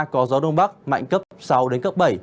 có gió đông bắc mạnh cấp sáu đến cấp bảy